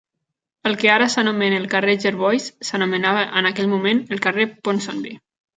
El que ara s'anomena el carrer Jervois s'anomenava en aquell moment el carrer Ponsonby.